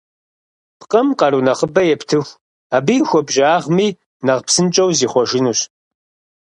Пкъым къару нэхъыбэ ептыху, абы и хуабжьагъми нэхъ псынщӏэу зихъуэжынущ.